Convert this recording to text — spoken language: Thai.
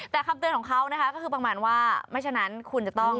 แต่คำเตือนของเขานะคะก็คือประมาณว่าไม่ฉะนั้นคุณจะต้อง